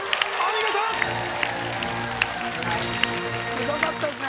すごかったですね